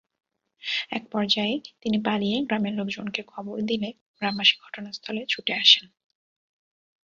একপর্যায়ে তিনি পালিয়ে গ্রামের লোকজনকে খবর দিলে গ্রামবাসী ঘটনাস্থলে ছুটে আসেন।